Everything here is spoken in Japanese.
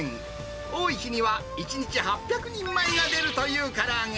多い日には１日８００人前が出るというから揚げ。